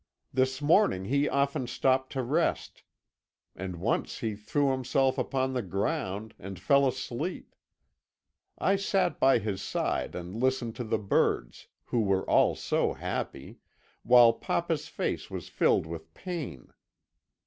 This morning he often stopped to rest, and once he threw himself upon the ground, and fell fast asleep. I sat by his side and listened to the birds, who were all so happy, while papa's face was filled with pain.